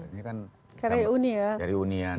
ini kan dari unian